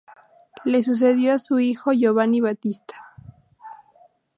Le sucedió su hijo Giovanni Battista.